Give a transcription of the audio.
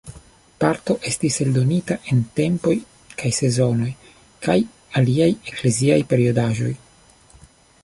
Parto estis eldonita en "Tempoj kaj Sezonoj" kaj aliaj ekleziaj periodaĵoj.